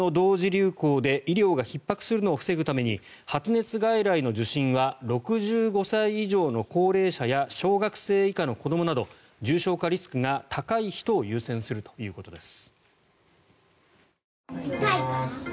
流行で医療がひっ迫するのを防ぐために発熱外来の受診は６５歳以上の高齢者や小学生以下の子どもなど重症化リスクが高い人を優先するということです。